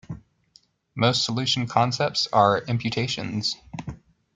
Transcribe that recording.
Most solution concepts are imputations.